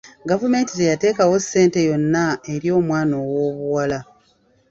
Gavumenti teyateekawo ssente yonna eri omwana owoobuwala.